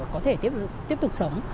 có thể tiếp tục sống